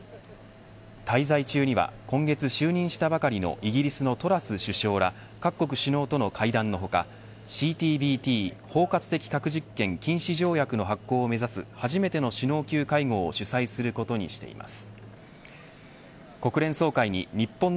滞在中には今月就任したばかりのイギリスのトラス首相ら各国首脳との会談の他ＣＴＢＴ包括的核実験禁止条約の発効を目指す水曜日のお天気をお伝えします